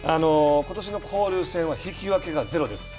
ことしの交流戦は引き分けがゼロです。